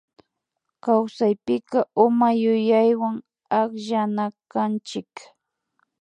Kawsapika uma yuyaywa akllanakanchik